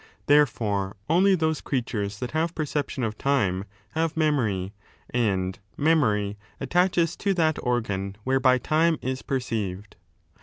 Therefore, only those .tures that have perception of time, have memory, and memory attaches to that organ whereby time is perceived.'